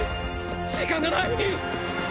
時間がない！